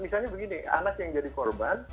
misalnya begini anak yang jadi korban